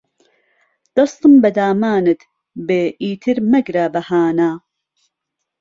دهستم به دامانت بێ ئیتر مهگره بههانه